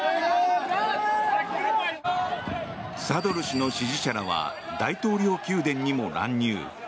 サドル師の支持者らは大統領宮殿にも乱入。